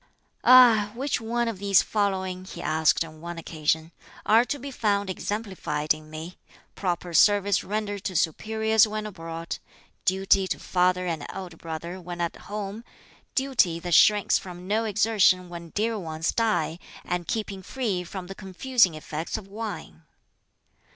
"Ah! which one of these following," he asked on one occasion, "are to be found exemplified in me proper service rendered to superiors when abroad; duty to father and elder brother when at home; duty that shrinks from no exertion when dear ones die; and keeping free from the confusing effects of wine?"